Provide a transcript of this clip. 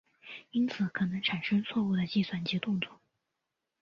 因此可能产生错误的计算及动作。